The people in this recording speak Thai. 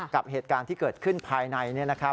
กับเหตุการณ์ที่เกิดขึ้นภายใน